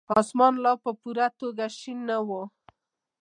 اسمان لا په پوره توګه شين نه وو.